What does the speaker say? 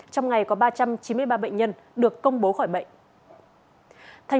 trong ngày có ba trăm chín mươi ba bệnh nhân được công bố khỏi bệnh